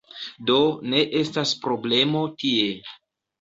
Do, ne estas problemo tie